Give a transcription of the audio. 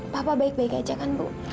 papa baik baik aja kan bu